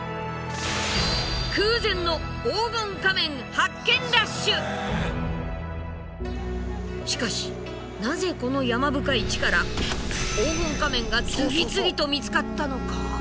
空前のしかしなぜこの山深い地から黄金仮面が次々と見つかったのか？